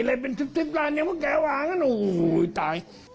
อะไรเป็น๑๐ล้านยังว่าแกว่งอุ้ยตาย